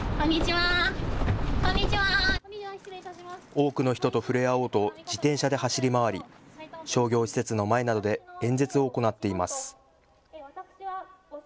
多くの人と触れ合おうと自転車で走り回り商業施設の前などで演説を行っています。